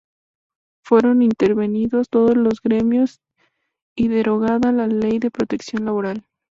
Fueron intervenidos todos los gremios y derogada la ley de protección laboral.